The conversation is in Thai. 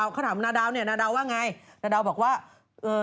เขาถามนาดาวว่าไง